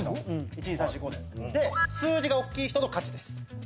１２３４５でで数字がおっきい人の勝ちです